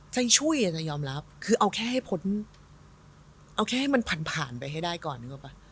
สายช่วยนะยอมรับคือเอาแค่ให้ผลเอาแค่ให้มันผ่านไปให้ได้ก่อน